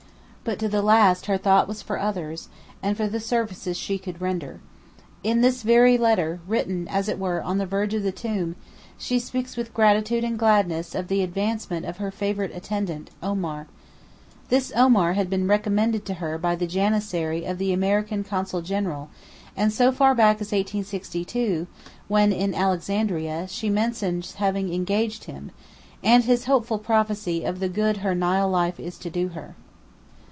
'But to the last her thought was for others, and for the services she could render. In this very letter, written, as it were, on the verge of the tomb, she speaks with gratitude and gladness of the advancement of her favourite attendant, Omar. This Omar had been recommended to her by the janissary of the American Consul General, and so far back as 1862, when in Alexandria, she mentions having engaged him, and his hopeful prophecy of the good her Nile life is to do her.